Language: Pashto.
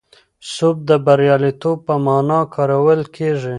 سوب د بریالیتوب په مانا کارول کېږي.